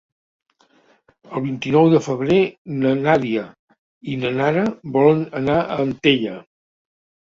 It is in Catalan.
El vint-i-nou de febrer na Nàdia i na Nara volen anar a Antella.